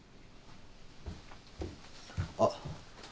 あっ。